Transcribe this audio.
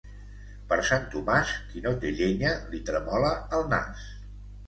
Per Sant Tomàs, qui no té llenya, li tremola el nas.